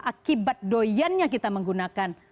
akibat doyannya kita menggunakan